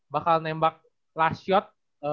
bakal nembak last shot